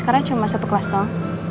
karena cuma satu kelas doang